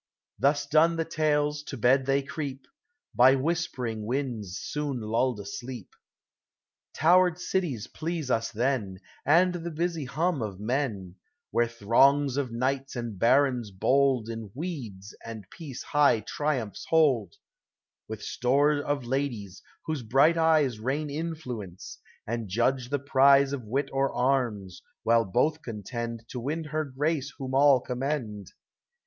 LIFE. 245 Thus done the tales, to bed they creep, By whispering winds soon lulled asleep. Towered cities please us then, And the busy hum of men, Where throngs of knights and barons bold In weeds of peace high triumphs hold, — With store of ladies, whose bright eyes Rain influence, and judge the prize Of wit or arms, while both contend To win her grace whom all commend.